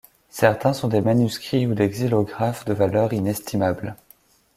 Certains sont des manuscrits ou des xylographes de valeur inestimable.